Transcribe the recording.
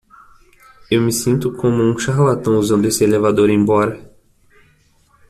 Eu me sinto como um charlatão usando esse elevador embora.